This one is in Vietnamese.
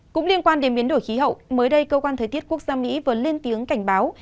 cũng liên quan đến biến đổi khí hậu mới đây cơ quan thời tiết quốc gia mỹ vừa lên tiếng cảnh báo